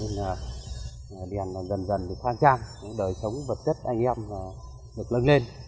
nên là đèn dần dần được phan trang đời sống vật chất anh em được lớn lên